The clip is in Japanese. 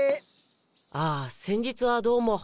ああ先日はどうも。